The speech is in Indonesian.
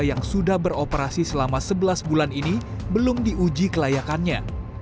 yang sudah beroperasi selama sebelas bulan ini belum diuji kelayakannya